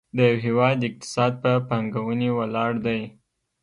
د یو هېواد اقتصاد په پانګونې ولاړ دی.